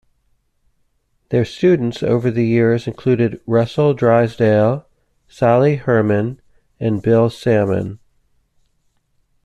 Their students over the years included Russell Drysdale, Sali Herman and Bill Salmon.